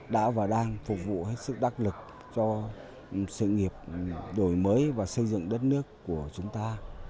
đã và đang phục vụ hết sức đắc lực cho sự nghiệp đổi mới và xây dựng đất nước của chúng ta